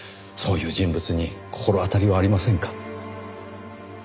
そういう人物に心当たりはありませんか？